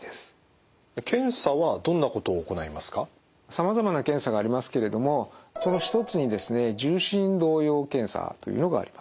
さまざまな検査がありますけれどもその一つにですね重心動揺検査というのがあります。